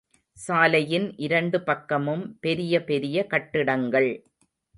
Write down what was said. சாலையின் இரண்டு பக்கமும் பெரிய பெரிய கட்டிடங்கள்.